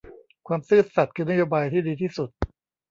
ความซื่อสัตย์คือนโบายที่ดีที่สุด